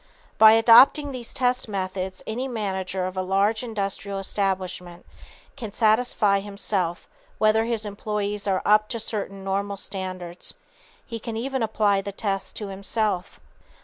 By adopting these test methods any manager of a large industrial establishment can satisfy himself whether his employees are up to certain normal standards. He can even apply the tests to himself.